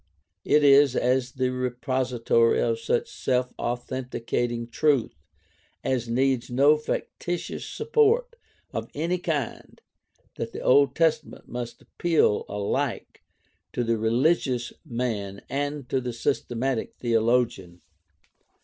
It is as the repository of such self authenticating truth as needs no factitious support of any kind that the Old Testament must appeal alike to the religious man and to the systematic theologian.